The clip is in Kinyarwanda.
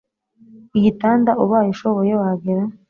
igitanda ubaye ushoboye wagera